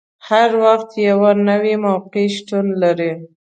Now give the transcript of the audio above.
هر وخت یوه نوې موقع شتون لري.